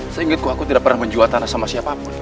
seingetku aku tidak pernah menjual tanah sama siapapun